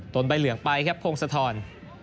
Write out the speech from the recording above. โดนไปเหลืองไปครับโพงสะทอน